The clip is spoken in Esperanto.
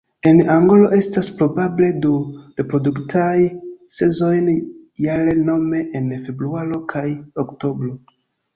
En Angolo estas probable du reproduktaj sezonoj jare nome en februaro kaj oktobro.